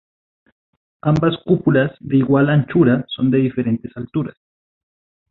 Ambas cúpulas de igual anchura son de diferentes alturas.